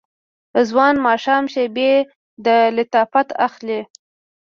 ځوان ماښام شیبې د لطافت اخلي